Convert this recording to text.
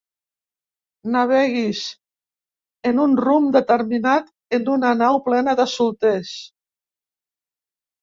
Naveguis en un rumb determinat en una nau plena de solters.